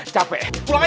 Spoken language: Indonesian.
capek pulang aja